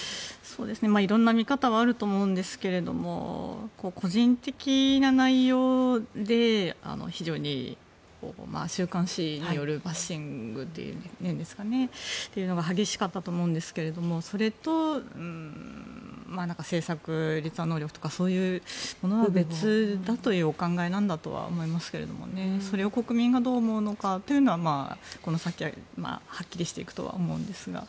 色んな見方はあると思うんですが個人的な内容で非常に週刊誌によるバッシングという面が激しかったと思うんですがそれと政策立案能力とかそういったものは別だという考えなんだと思いますがそれを国民がどう思うのかというのはこの先、はっきりしていくとは思うんですが。